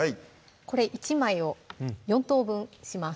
これ１枚を４等分します